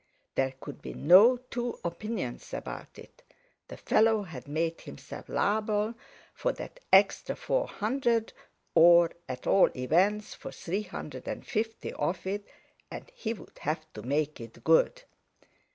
There could be no two opinions about it—the fellow had made himself liable for that extra four hundred, or, at all events, for three hundred and fifty of it, and he would have to make it good.